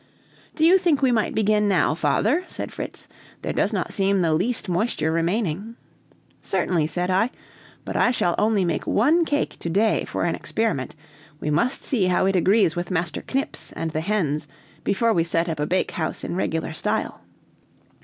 "Do you think we might begin now, father?" said Fritz. "There does not seem the least moisture remaining." "Certainly," said I. "But I shall only make one cake to day for an experiment; we must see how it agrees with Master Knips and the hens before we set up a bakehouse in regular style."